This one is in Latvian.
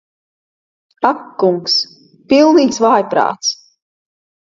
Ak kungs. Pilnīgs vājprāts.